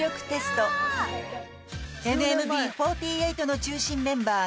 ＮＭＢ４８の中心メンバー